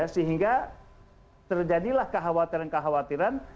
sehingga terjadilah kekhawatiran kekhawatiran